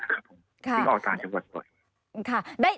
คุณออกทางจังหวัดบ่อย